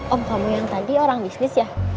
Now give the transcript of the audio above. om kamu yang tadi orang bisnis ya